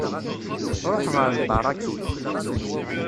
Tṛuḥ ɣer Ibaraki.